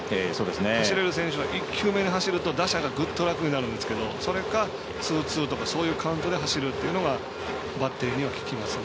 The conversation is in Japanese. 走れる選手は１球目に走ると打者がグッと楽になるんですけどそれかツーツーとかそういうカウントで走るというのがバッテリーには効きますね。